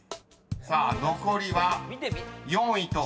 さあ残りは４位と５位］